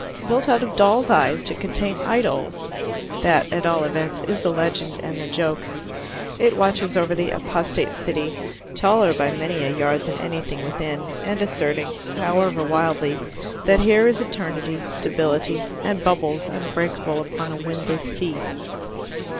"Built out of doll's eyes to contain idols" that, at all events, is the legend and the joke. It watches over the apostate city, taller by many a yard than anything within, and asserting, however wildly, that here is eternity, stability, and bubbles unbreakable upon a windless sea.